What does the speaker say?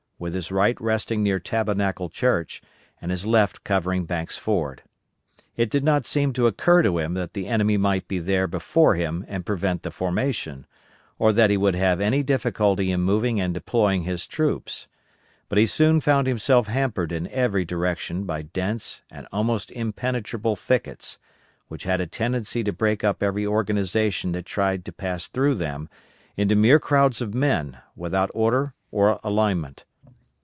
with his right resting near Tabernacle Church, and his left covering Banks' Ford. It did not seem to occur to him that the enemy might be there before him and prevent the formation, or that he would have any difficulty in moving and deploying his troops; but he soon found himself hampered in every direction by dense and almost impenetrable thickets, which had a tendency to break up every organization that tried to pass through them into mere crowds of men without order or alignment.